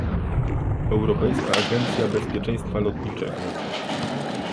Europejska Agencja Bezpieczeństwa Lotniczego